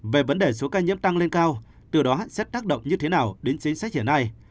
về vấn đề số ca nhiễm tăng lên cao từ đó sẽ tác động như thế nào đến chính sách hiện nay